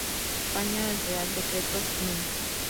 En España el Real Decreto núm.